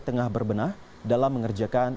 tengah berbenah dalam mengerjakan